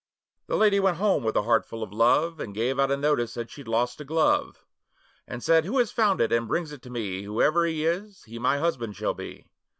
The lady went home with a heart full of love, And gave out a notice that she'd lost a glove; And said, 'Who has found it, and brings it to me, Whoever he is, he my husband shall be.